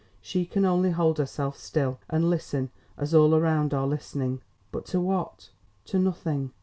She can only hold herself still and listen as all around are listening. But to what? To nothing.